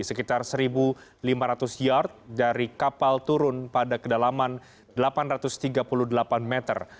sekitar satu lima ratus yard dari kapal turun pada kedalaman delapan ratus tiga puluh delapan meter